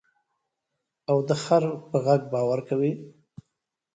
او د خر په غږ باور کوې.